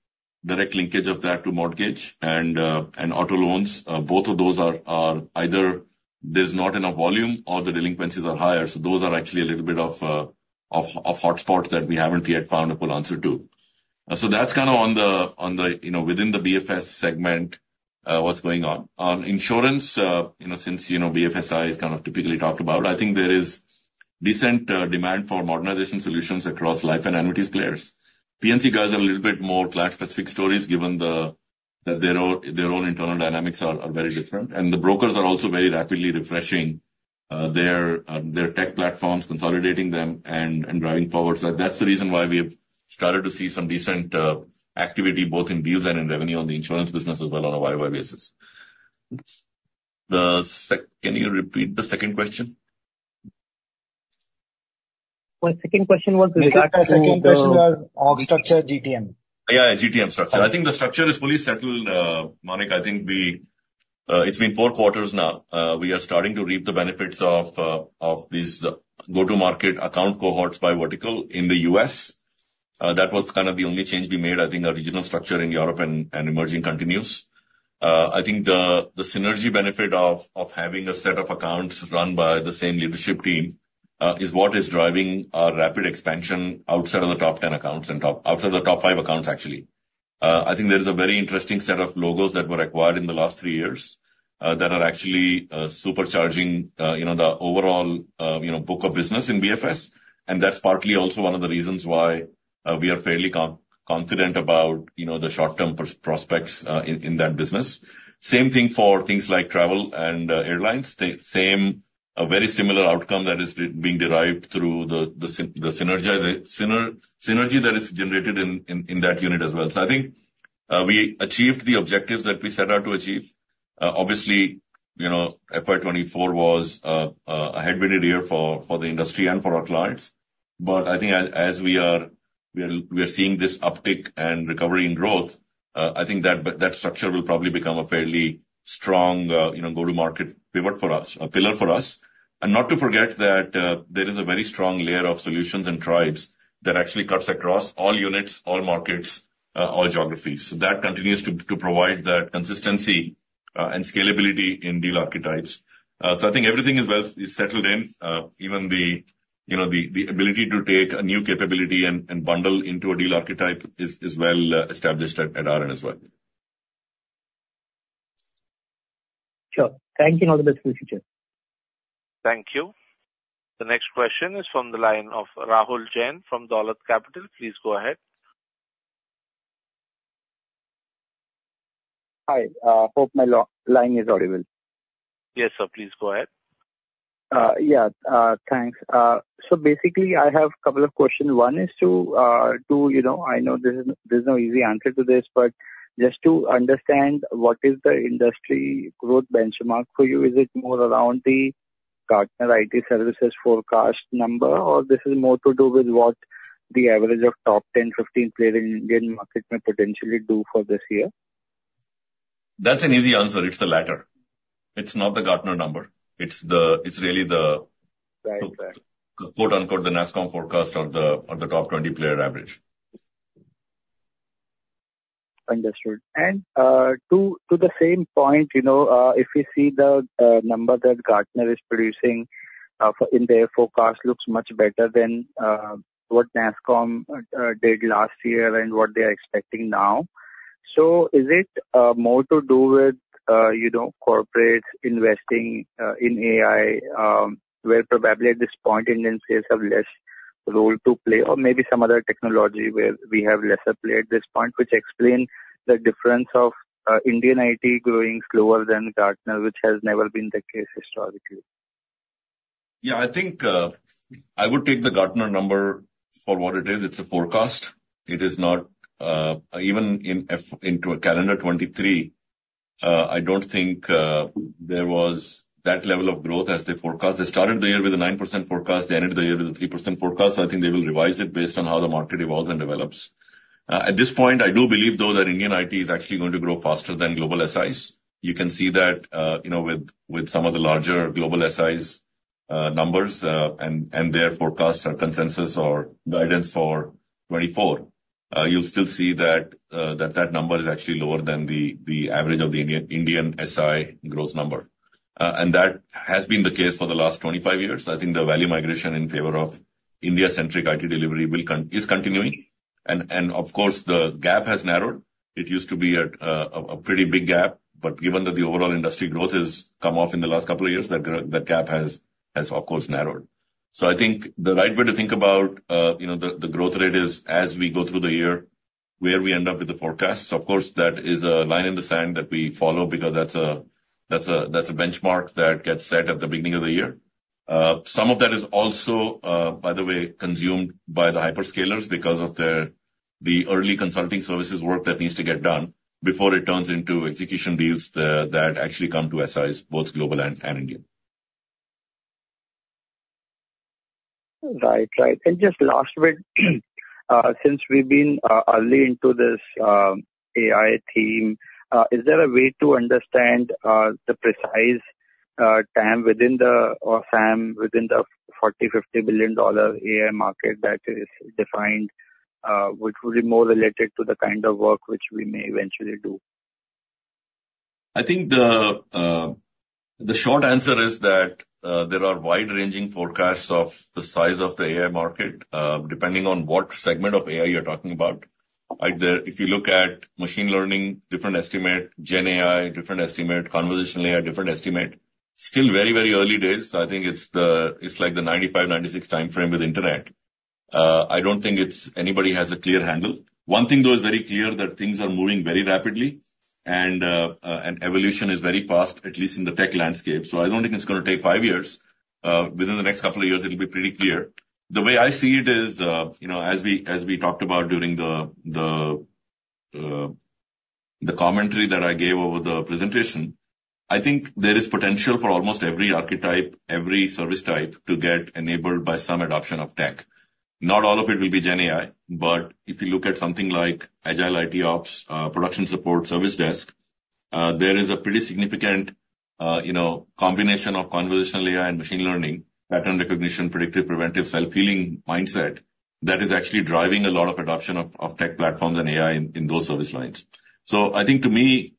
direct linkage of that to mortgage and auto loans. Both of those are either there's not enough volume or the delinquencies are higher. So those are actually a little bit of hotspots that we haven't yet found a full answer to. So that's kind of within the BFS segment what's going on. On insurance, since BFSI is kind of typically talked about, I think there is decent demand for modernization solutions across life and annuities players. P&C guys are a little bit more cloud-specific stories given that their own internal dynamics are very different. The brokers are also very rapidly refreshing their tech platforms, consolidating them, and driving forward. That's the reason why we have started to see some decent activity both in deals and in revenue on the insurance business as well on a YOY basis. Can you repeat the second question? What second question was? The second question was org structure, GTM. Yeah, GTM structure. I think the structure is fully settled, Manish. I think it's been four quarters now. We are starting to reap the benefits of these go-to-market account cohorts by vertical in the U.S. That was kind of the only change we made. I think our regional structure in Europe and emerging continues. I think the synergy benefit of having a set of accounts run by the same leadership team is what is driving our rapid expansion outside of the top 10 accounts and outside of the top five accounts, actually. I think there is a very interesting set of logos that were acquired in the last three years that are actually supercharging the overall book of business in BFS. And that's partly also one of the reasons why we are fairly confident about the short-term prospects in that business. Same thing for things like travel and airlines. A very similar outcome that is being derived through the synergy that is generated in that unit as well. So I think we achieved the objectives that we set out to achieve. Obviously, FY 2024 was a headwind year for the industry and for our clients. But I think as we are seeing this uptick and recovery in growth, I think that structure will probably become a fairly strong go-to-market pivot for us, a pillar for us. And not to forget that there is a very strong layer of solutions and tribes that actually cuts across all units, all markets, all geographies. So that continues to provide that consistency and scalability in deal archetypes. So I think everything is settled in. Even the ability to take a new capability and bundle into a deal archetype is well established at our end as well. Sure. Thank you. All the best for the future. Thank you. The next question is from the line of Rahul Jain from Dolat Capital. Please go ahead. Hi. Hope my line is audible. Yes, sir. Please go ahead. Yeah. Thanks. So basically, I have a couple of questions. One is, I know there's no easy answer to this, but just to understand, what is the industry growth benchmark for you? Is it more around the Gartner IT services forecast number, or this is more to do with what the average of top 10, 15 players in the Indian market may potentially do for this year? That's an easy answer. It's the latter. It's not the Gartner number. It's really the, quote-unquote, "the NASSCOM forecast" of the top 20 player average. Understood. To the same point, if we see the number that Gartner is producing in their forecast looks much better than what NASSCOM did last year and what they are expecting now, so is it more to do with corporates investing in AI where probably at this point Indian players have less role to play or maybe some other technology where we have lesser play at this point, which explain the difference of Indian IT growing slower than Gartner, which has never been the case historically? Yeah. I think I would take the Gartner number for what it is. It's a forecast. Even into a calendar 2023, I don't think there was that level of growth as they forecast. They started the year with a 9% forecast. They ended the year with a 3% forecast. So I think they will revise it based on how the market evolves and develops. At this point, I do believe, though, that Indian IT is actually going to grow faster than global SIs. You can see that with some of the larger global SIs numbers and their forecast or consensus or guidance for 2024, you'll still see that that number is actually lower than the average of the Indian SI growth number. And that has been the case for the last 25 years. I think the value migration in favor of India-centric IT delivery is continuing. Of course, the gap has narrowed. It used to be a pretty big gap. But given that the overall industry growth has come off in the last couple of years, that gap has, of course, narrowed. So I think the right way to think about the growth rate is as we go through the year, where we end up with the forecasts. Of course, that is a line in the sand that we follow because that's a benchmark that gets set at the beginning of the year. Some of that is also, by the way, consumed by the hyperscalers because of the early consulting services work that needs to get done before it turns into execution deals that actually come to SIs, both global and Indian. Right. Right. And just last bit, since we've been early into this AI theme, is there a way to understand the precise time within the or SAM within the $40 billion-$50 billion AI market that is defined, which would be more related to the kind of work which we may eventually do? I think the short answer is that there are wide-ranging forecasts of the size of the AI market depending on what segment of AI you're talking about. If you look at machine learning, different estimate. GenAI, different estimate. Conversational AI, different estimate. Still very, very early days. So I think it's like the 1995, 1996 time frame with internet. I don't think anybody has a clear handle. One thing, though, is very clear that things are moving very rapidly, and evolution is very fast, at least in the tech landscape. So I don't think it's going to take five years. Within the next couple of years, it'll be pretty clear. The way I see it is, as we talked about during the commentary that I gave over the presentation, I think there is potential for almost every archetype, every service type to get enabled by some adoption of tech. Not all of it will be GenAI, but if you look at something like agile IT ops, production support, service desk, there is a pretty significant combination of conversational AI and machine learning, pattern recognition, predictive, preventive, self-healing mindset that is actually driving a lot of adoption of tech platforms and AI in those service lines. So I think, to me,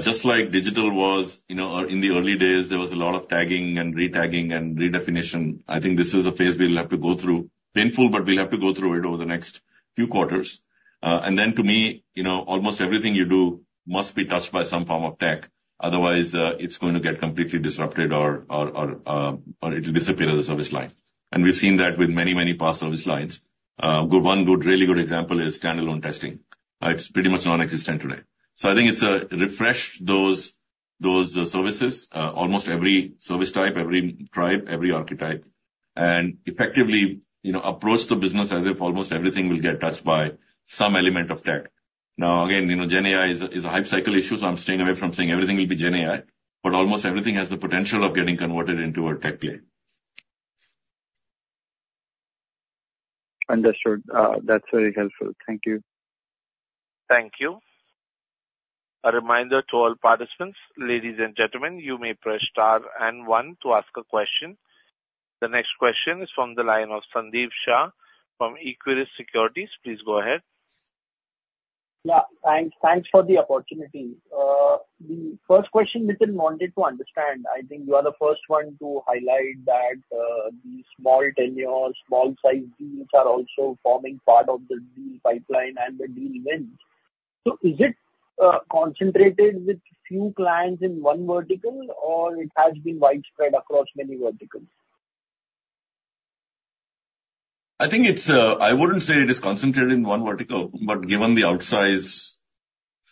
just like digital was in the early days, there was a lot of tagging and retagging and redefinition. I think this is a phase we'll have to go through, painful, but we'll have to go through it over the next few quarters. And then, to me, almost everything you do must be touched by some form of tech. Otherwise, it's going to get completely disrupted or it'll disappear as a service line. And we've seen that with many, many past service lines. One really good example is standalone testing. It's pretty much nonexistent today. So I think it's refreshed those services, almost every service type, every tribe, every archetype, and effectively approached the business as if almost everything will get touched by some element of tech. Now, again, GenAI is a hype cycle issue, so I'm staying away from saying everything will be GenAI, but almost everything has the potential of getting converted into a tech play. Understood. That's very helpful. Thank you. Thank you. A reminder to all participants, ladies and gentlemen, you may press star and one to ask a question. The next question is from the line of Sandeep Shah from Equirus Securities. Please go ahead. Yeah. Thanks for the opportunity. The first question Nitin wanted to understand, I think you are the first one to highlight that these small tenure, small-sized deals are also forming part of the deal pipeline and the deal wins. So is it concentrated with few clients in one vertical, or it has been widespread across many verticals? I wouldn't say it is concentrated in one vertical, but given the outsized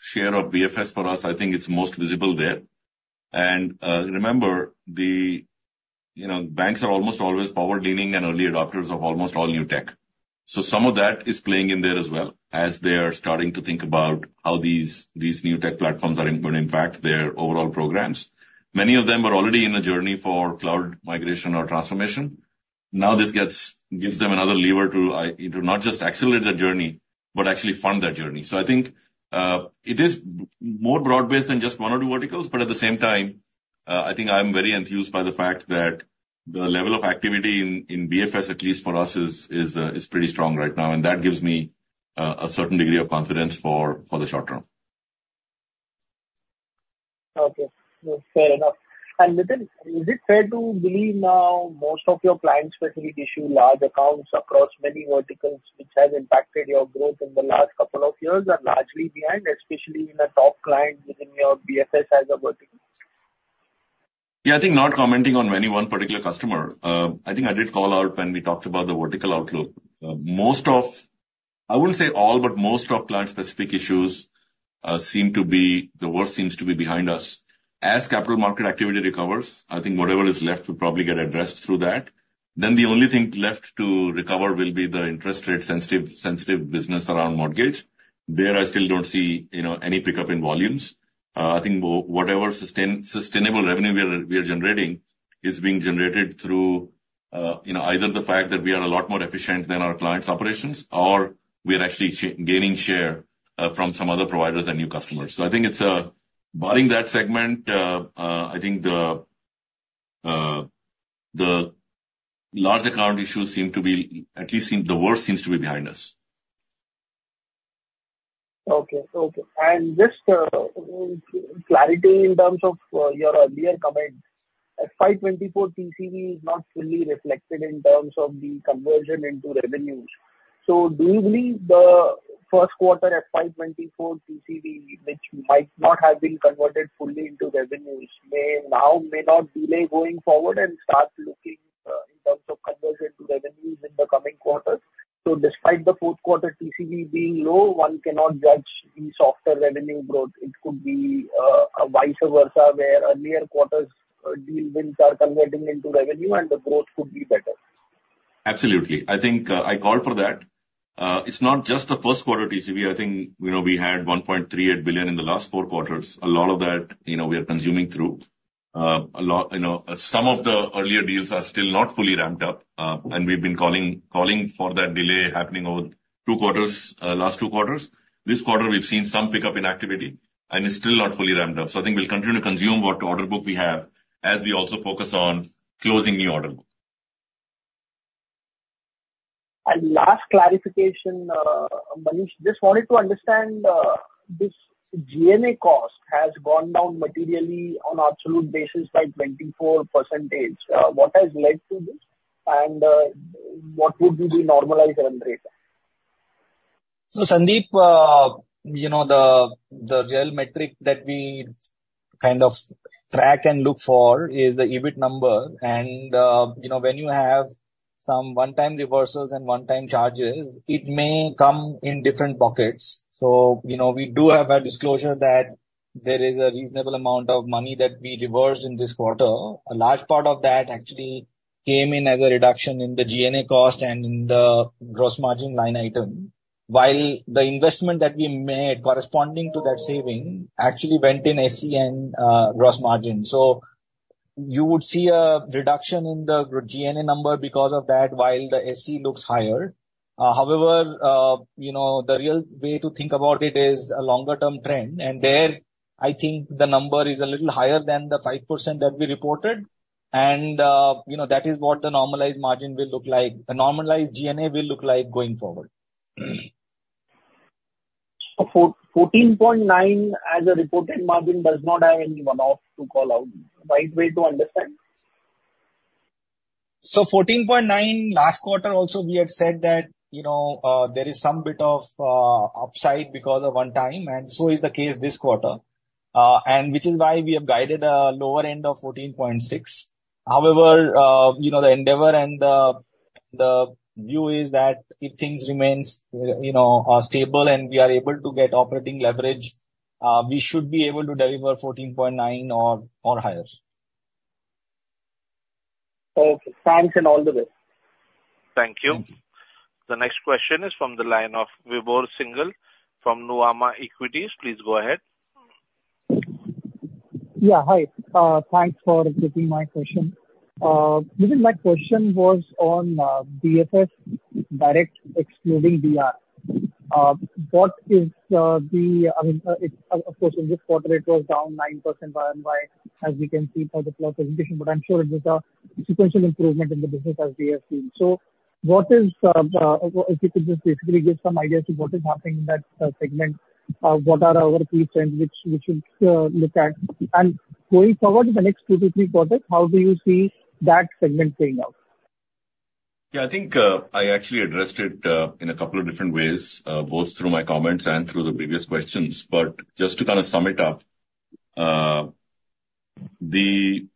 share of BFS for us, I think it's most visible there. And remember, banks are almost always power-leaning and early adopters of almost all new tech. So some of that is playing in there as well as they are starting to think about how these new tech platforms are going to impact their overall programs. Many of them were already in a journey for cloud migration or transformation. Now, this gives them another lever to not just accelerate their journey but actually fund that journey. So I think it is more broad-based than just one or two verticals. But at the same time, I think I'm very enthused by the fact that the level of activity in BFS, at least for us, is pretty strong right now. That gives me a certain degree of confidence for the short term. Okay. Fair enough. Nitin, is it fair to believe now most of your client-specific issue, large accounts across many verticals, which has impacted your growth in the last couple of years, are largely behind, especially in the top clients within your BFS as a vertical? Yeah. I think not commenting on any one particular customer. I think I did call out when we talked about the vertical outlook. I wouldn't say all, but most of client-specific issues seem to be the worst seems to be behind us. As capital market activity recovers, I think whatever is left will probably get addressed through that. Then the only thing left to recover will be the interest-rate-sensitive business around mortgage. There, I still don't see any pickup in volumes. I think whatever sustainable revenue we are generating is being generated through either the fact that we are a lot more efficient than our clients' operations or we are actually gaining share from some other providers and new customers. So I think buying that segment, I think the large account issues seem to be at least the worst seems to be behind us. Okay. Okay. And just clarity in terms of your earlier comment, FY 2024 TCV is not fully reflected in terms of the conversion into revenues. So do you believe the first quarter FY 2024 TCV, which might not have been converted fully into revenues, now may not delay going forward and start looking in terms of conversion to revenues in the coming quarters? So despite the fourth quarter TCV being low, one cannot judge the softer revenue growth. It could be vice versa where earlier quarters' deal wins are converting into revenue, and the growth could be better. Absolutely. I think I called for that. It's not just the first quarter TCV. I think we had $1.38 billion in the last four quarters. A lot of that, we are consuming through. Some of the earlier deals are still not fully ramped up, and we've been calling for that delay happening over the last two quarters. This quarter, we've seen some pickup in activity, and it's still not fully ramped up. So I think we'll continue to consume what order book we have as we also focus on closing new order books. Last clarification, Manish, just wanted to understand, this G&A cost has gone down materially on an absolute basis by 24%. What has led to this, and what would be the normalized run rate? So Sandeep, the real metric that we kind of track and look for is the EBIT number. And when you have some one-time reversals and one-time charges, it may come in different pockets. So we do have a disclosure that there is a reasonable amount of money that we reversed in this quarter. A large part of that actually came in as a reduction in the G&A cost and in the gross margin line item, while the investment that we made corresponding to that saving actually went in SC and gross margin. So you would see a reduction in the G&A number because of that while the SC looks higher. However, the real way to think about it is a longer-term trend. And there, I think the number is a little higher than the 5% that we reported. And that is what the normalized margin will look like. A normalized G&A will look like going forward. 14.9 as a reported margin does not have anyone else to call out. Right way to understand? 14.9, last quarter, also we had said that there is some bit of upside because of one time, and so is the case this quarter, which is why we have guided a lower end of 14.6. However, the endeavor and the view is that if things remain stable and we are able to get operating leverage, we should be able to deliver 14.9 or higher. Okay. Thanks and all the best. Thank you. The next question is from the line of Vibhor Singhal from Nuvama Equities. Please go ahead. Yeah. Hi. Thanks for giving my question. Nitin, my question was on BFS direct excluding DR. What is the, I mean, of course, in this quarter, it was down 9% YoY, as we can see from the presentation, but I'm sure it was a sequential improvement in the business as we have seen. So if you could just basically give some ideas to what is happening in that segment, what are our key trends which we should look at? And going forward, in the next two to three quarters, how do you see that segment playing out? Yeah. I think I actually addressed it in a couple of different ways, both through my comments and through the previous questions. But just to kind of sum it up, the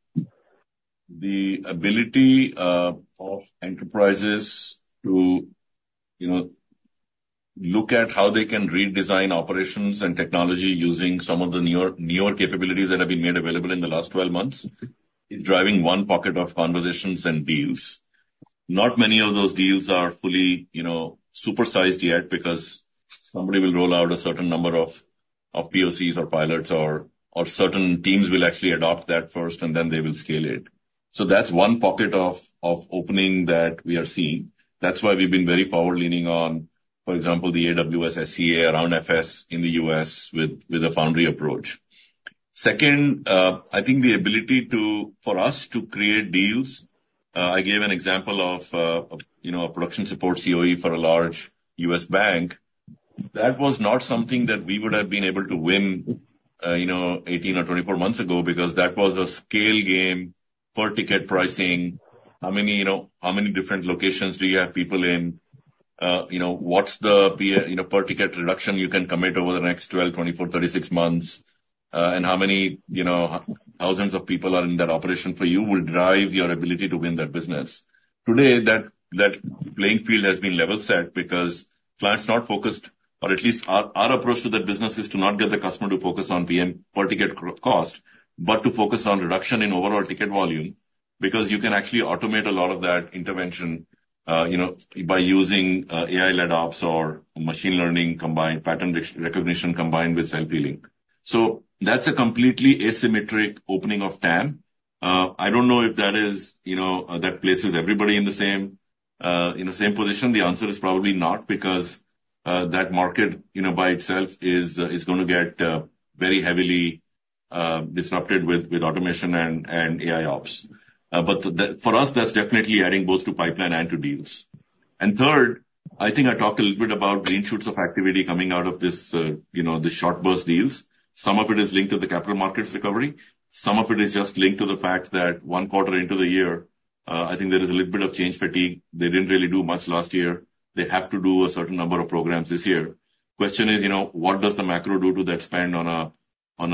ability of enterprises to look at how they can redesign operations and technology using some of the newer capabilities that have been made available in the last 12 months is driving one pocket of conversations and deals. Not many of those deals are fully supersized yet because somebody will roll out a certain number of POCs or pilots, or certain teams will actually adopt that first, and then they will scale it. So that's one pocket of opening that we are seeing. That's why we've been very power-leaning on, for example, the AWS SCA around FS in the U.S. with a foundry approach. Second, I think the ability for us to create deals. I gave an example of a production support COE for a large U.S. bank. That was not something that we would have been able to win 18 or 24 months ago because that was a scale game, per-ticket pricing, how many different locations do you have people in, what's the per-ticket reduction you can commit over the next 12, 24, 36 months, and how many thousands of people are in that operation for you will drive your ability to win that business. Today, that playing field has been level set because clients are not focused or at least our approach to that business is to not get the customer to focus on per-ticket cost but to focus on reduction in overall ticket volume because you can actually automate a lot of that intervention by using AI-led ops or machine learning combined, pattern recognition combined with self-healing. So that's a completely asymmetric opening of TAM. I don't know if that places everybody in the same position. The answer is probably not because that market by itself is going to get very heavily disrupted with automation and AI ops. But for us, that's definitely adding both to pipeline and to deals. And third, I think I talked a little bit about green shoots of activity coming out of these short burst deals. Some of it is linked to the capital markets recovery. Some of it is just linked to the fact that one quarter into the year, I think there is a little bit of change fatigue. They didn't really do much last year. They have to do a certain number of programs this year. Question is, what does the macro do to that spend on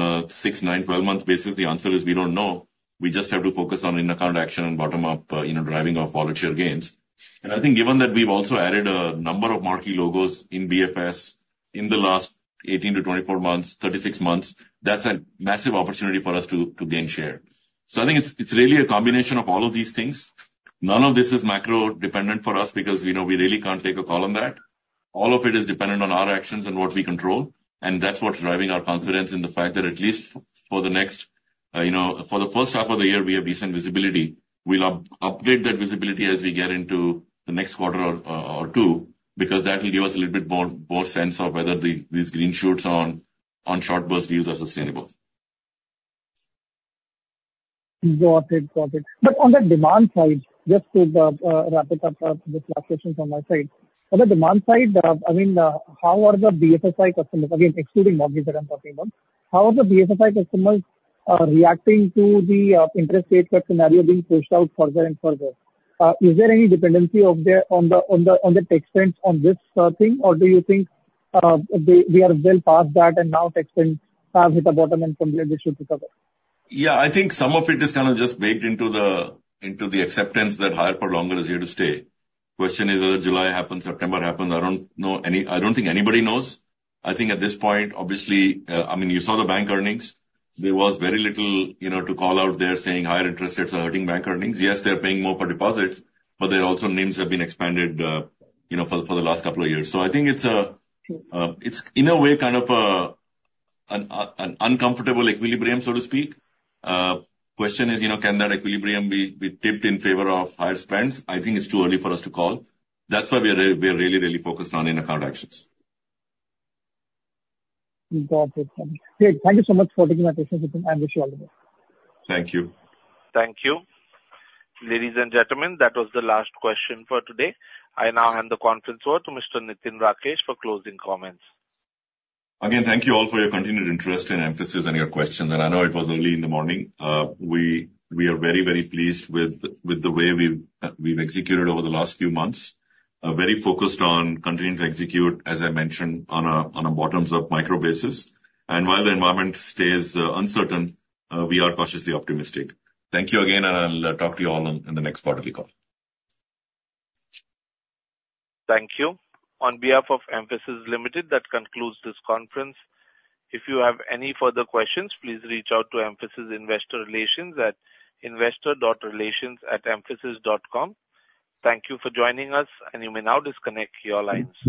a 6, 9, 12-month basis? The answer is we don't know. We just have to focus on in-account action and bottom-up driving of volatile gains. I think given that we've also added a number of marquee logos in BFS in the last 18-24 months, 36 months, that's a massive opportunity for us to gain share. I think it's really a combination of all of these things. None of this is macro-dependent for us because we really can't take a call on that. All of it is dependent on our actions and what we control. That's what's driving our confidence in the fact that at least for the first half of the year, we have decent visibility. We'll upgrade that visibility as we get into the next quarter or two because that will give us a little bit more sense of whether these green shoots on short burst deals are sustainable. Got it. Got it. But on the demand side, just to wrap it up with last question from my side, on the demand side, I mean, how are the BFSI customers again, excluding mortgages that I'm talking about, how are the BFSI customers reacting to the interest rate cut scenario being pushed out further and further? Is there any dependency on the tech spends on this thing, or do you think we are well past that and now tech spends have hit a bottom and from there, they should recover? Yeah. I think some of it is kind of just baked into the acceptance that higher for longer is here to stay. Question is whether July happens, September happens. I don't know. I don't think anybody knows. I think at this point, obviously I mean, you saw the bank earnings. There was very little to call out there saying higher interest rates are hurting bank earnings. Yes, they're paying more per deposits, but also NIMS have been expanded for the last couple of years. So I think it's, in a way, kind of an uncomfortable equilibrium, so to speak. Question is, can that equilibrium be tipped in favor of higher spends? I think it's too early for us to call. That's why we are really, really focused on in-account actions. Got it. Great. Thank you so much for taking my questions, Nitin. I wish you all the best. Thank you. Thank you, ladies and gentlemen. That was the last question for today. I now hand the conference over to Mr. Nitin Rakesh for closing comments. Again, thank you all for your continued interest and Mphasis on your questions. I know it was early in the morning. We are very, very pleased with the way we've executed over the last few months, very focused on continuing to execute, as I mentioned, on a bottoms-up micro basis. While the environment stays uncertain, we are cautiously optimistic. Thank you again, and I'll talk to you all in the next quarterly call. Thank you. On behalf of Mphasis Limited, that concludes this conference. If you have any further questions, please reach out to Mphasis Investor Relations at investor.relations@mphasis.com. Thank you for joining us, and you may now disconnect your lines.